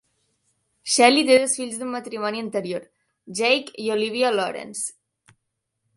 Shelley té dos fills d'un matrimoni anterior, Jake i Olivia Lawrence.